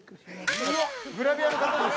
それグラビアの方です。